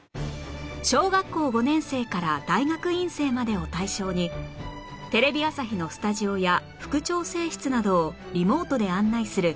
小学校５年生から大学院生までを対象にテレビ朝日のスタジオや副調整室などをリモートで案内する